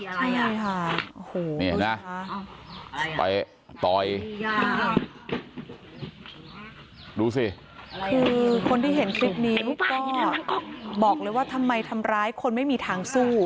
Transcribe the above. ใช่ค่ะโอ้โหนี่เห็นไหมไปต่อยดูสิคือคนที่เห็นคลิปนี้ก็บอกเลยว่าทำไมทำร้ายคนไม่มีทางสู้